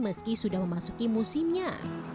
meski sudah memasuki musimnya